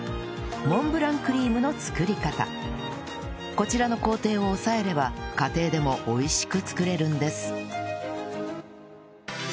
こちらの工程を押さえれば家庭でも美味しく作れるんです